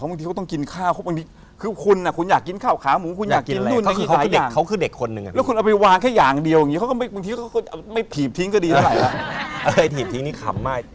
เอ่อถีบถ่ายนี่ขำมาก